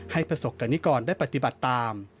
ประสบกรณิกรได้ปฏิบัติตาม